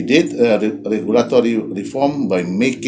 kami melakukan reform regulasi